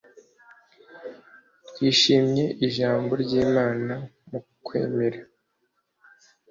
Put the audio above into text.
twishimye Ijambo ry Imana mu kwemera